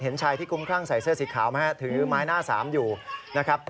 เห็นชายที่คุ้มครั่งใส่เสื้อสีขาวไหมฮะถือไม้หน้าสามอยู่นะครับ